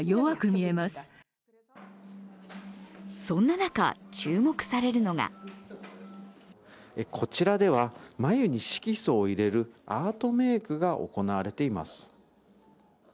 そんな中、注目されるのがこちらでは眉に色素を入れるアートメイクが行われています。